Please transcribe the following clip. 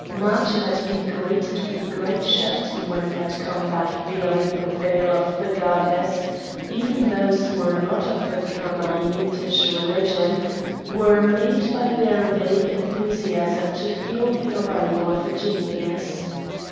Matho had been greeted with great shouting when he had come back bearing the veil of the goddess; even those who were not of the Chanaanitish religion were made by their vague enthusiasm to feel the arrival of a genius.